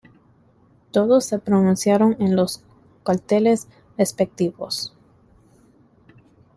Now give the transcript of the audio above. Todos se pronunciaron en los cuarteles respectivos.